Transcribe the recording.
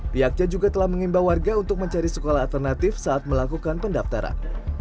pihaknya juga telah mengimbau warga untuk mencari sekolah alternatif saat melakukan pendaftaran